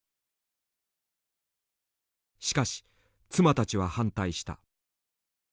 しかし妻たちは反対した。